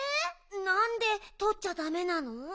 なんでとっちゃダメなの？